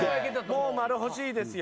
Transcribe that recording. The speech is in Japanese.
「もう○欲しいですよ」